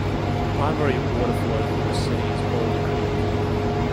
The primary water flow through the city is Boulder Creek.